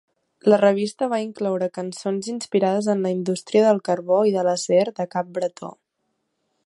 La revista va incloure cançons inspirades en la indústria del carbó i de l'acer de Cap Bretó.